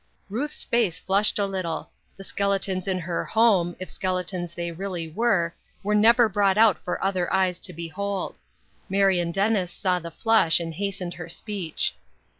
Ruth's face flushed a little ; the skeletons in her home — if skeletons they really were — were never brought out for other eyes to behold. Marion Dennis saw the flush, and hastened her speech.